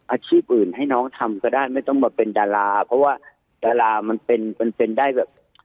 อาชีพอื่นให้น้องทำก็ได้ไม่ต้องมาเป็นดาราเพราะว่าดารามันเป็นมันเป็นได้แบบ